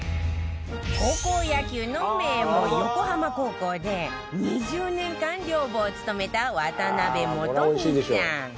高校野球の名門横浜高校で２０年間寮母を務めた渡邊元美さん